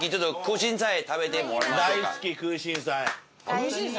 大好き空芯菜。